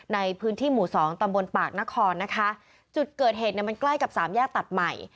ในพื้นที่หมู่สองตำบลปากนครนะคะจุดเกิดเหตุเนี่ยมันใกล้กับสามแยกตัดใหม่